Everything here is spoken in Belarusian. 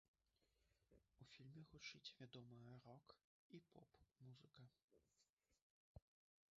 У фільме гучыць вядомая рок і поп-музыка.